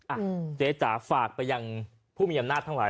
อ่ะเจ๊จ๋าฝากไปยังผู้มีอำนาจทั้งหลาย